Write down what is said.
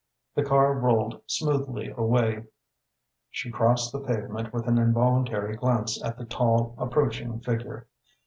The car rolled smoothly away. She crossed the pavement with an involuntary glance at the tall, approaching figure.